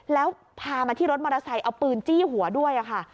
แล้วพามาที่รถมอเตอร์ไซค์เอาปืนจี้หัวด้วยค่ะ